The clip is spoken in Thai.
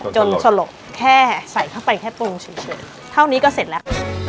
สลบแค่ใส่เข้าไปแค่ปรุงเฉยเท่านี้ก็เสร็จแล้ว